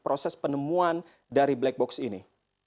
proses penemuan dari black box ini